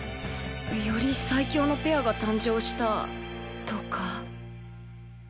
より最強のペアが誕生したとか？